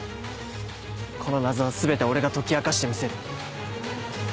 この謎は全て俺が解き明かしてみせる。